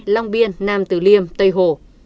long biên nam tử liêm tây hồ